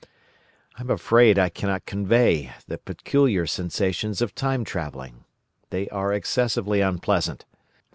"I am afraid I cannot convey the peculiar sensations of time travelling. They are excessively unpleasant.